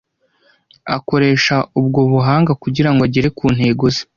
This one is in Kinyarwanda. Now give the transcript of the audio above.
akoresha ubwo buhanga kugirango agere ku ntego ze.